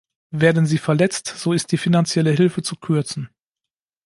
Werden sie verletzt, so ist die finanzielle Hilfe zu kürzen.